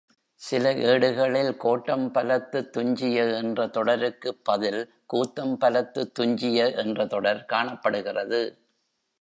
சில ஏடுகளில் கோட்டம்பலத்துத் துஞ்சிய என்ற தொடருக்குப் பதில் கூத்தம்பலத்துத் துஞ்சிய என்ற தொடர் காணப்படுகிறது.